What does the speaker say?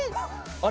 あれ？